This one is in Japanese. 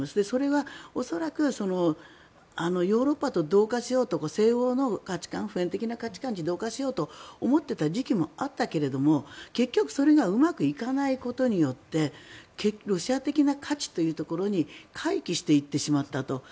それは恐らくヨーロッパと同化しようとか西欧の価値観、普遍的な価値観に同化しようと思っていた時期もあったけど結局、それがうまくいかないことによってロシア的な価値というところに回帰していってしまったと。